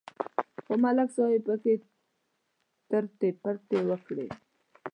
خو ملک صاحب پکې ټرتې پرتې وکړې